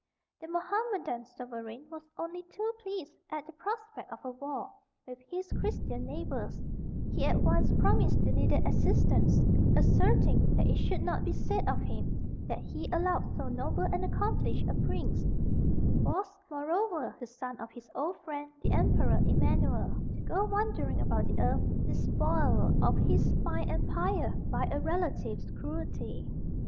The Mohammedan sovereign was only too pleased at the prospect of a war with his Christian neighbours; he at once promised the needed assistance, asserting that it should not be said of him that he allowed so noble and accomplished a prince (who was, moreover, the son of his old friend, the Emperor Emanuel), to go wandering about the earth, despoiled of his fine empire by a relative's cruelty.